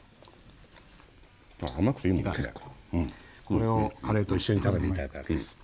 これをカレーと一緒に食べて頂くわけです。